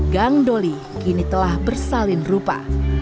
gang doli kini telah bersalin rupa